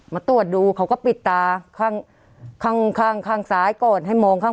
มาตรวจดูเขาก็ปิดตาข้างข้างซ้ายก่อนให้มองข้าง